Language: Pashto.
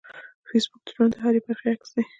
فېسبوک د ژوند د هرې برخې عکس دی